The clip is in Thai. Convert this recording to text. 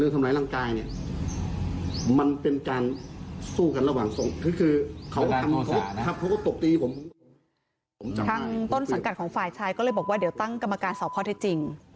ทางต้นสังกัดของฝ่ายชายก็เลยบอกว่าเดี๋ยวตั้งกรรมการสอบข้อเท็จจริง